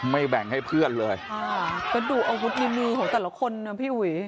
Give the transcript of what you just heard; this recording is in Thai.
ไม่แบ่งให้เพื่อนเลยอ่าก็ดูอาวุธมีมีของแต่ละคนนะพี่หวี